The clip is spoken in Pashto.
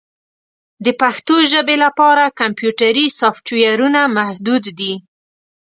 د پښتو ژبې لپاره کمپیوټري سافټویرونه محدود دي.